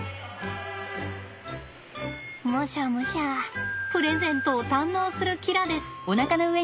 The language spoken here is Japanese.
むしゃむしゃプレゼントを堪能するキラです。